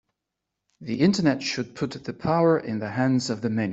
The Internet should put the power in the hands of the many